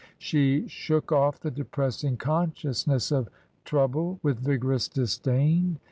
She shook off the depressing consciousness of trouble with vigorous disdain.